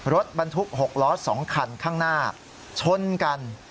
รถบรรทุก๖ล้อ๒คันข้างหน้าชนกัน